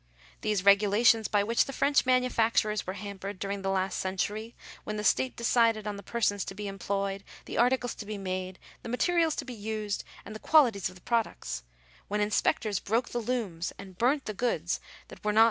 Those regulations by which the French manufacturers were hampered during the last century, when the state decided on the persons to be employed, the articles to be made, the materials to be used, and the qualities of the products — when inspectors broke the looms and burnt the goods that were not u 2 Digitized by VjOOQIC 292 THE LIMIT OF 6TATE DUTY.